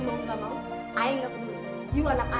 saya tidak akan memaksa anda menjadi anak saya